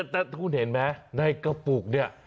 แต่คุณเห็นไหมในกระปุกเนี่ย